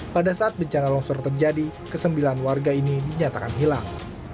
pada saat bencana longsor terjadi kesembilan warga ini dinyatakan hilang